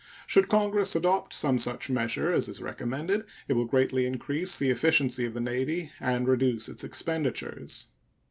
Should Congress adopt some such measure as is recommended, it will greatly increase the efficiency of the Navy and reduce its expenditures.